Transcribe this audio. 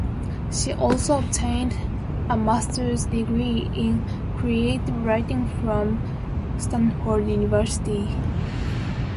She also obtained a master's degree in Creative Writing from Stanford University.